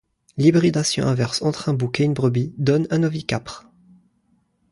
L'hybridation inverse entre un bouc et une brebis donne un ovicapre.